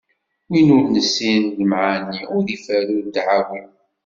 Win ur nessin lemɛani, ur iferru ddɛawi.